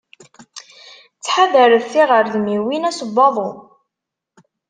Ttḥadaret tiɣurdmiwin ass n waḍu.